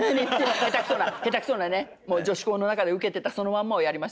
下手くそな下手くそなねもう女子校の中でウケてたそのまんまをやりました。